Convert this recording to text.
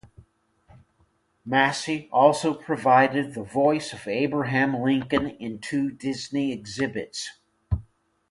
Massey also provided the voice of Abraham Lincoln in two Disney exhibits.